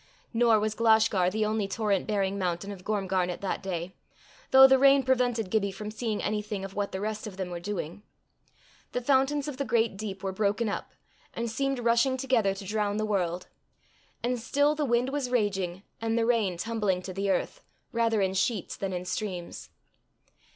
Nor was Glashgar the only torrent bearing mountain of Gormgarnet that day, though the rain prevented Gibbie from seeing anything of what the rest of them were doing. The fountains of the great deep were broken up, and seemed rushing together to drown the world. And still the wind was raging, and the rain tumbling to the earth, rather in sheets than in streams.